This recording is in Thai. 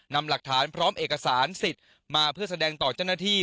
นำหลักฐานพร้อมเอกสารสิทธิ์มาเพื่อแสดงต่อเจ้าหน้าที่